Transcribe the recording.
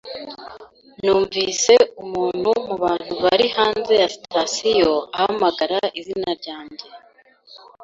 Numvise umuntu mubantu bari hanze ya sitasiyo ahamagara izina ryanjye.